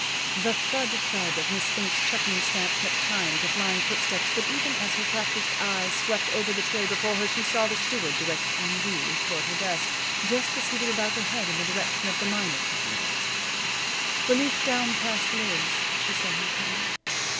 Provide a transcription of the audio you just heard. The thud thud of Miss Fink's checking stamp kept time to flying footsteps, but even as her practised eye swept over the tray before her she saw the steward direct Henri toward her desk, just as he was about to head in the direction of the minor checking desk. Beneath downcast lids she saw him coming.